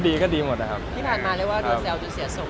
เรียกว่าดูเสี่ยวจะเสียสงฆ์เลยไหมครับ